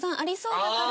だから。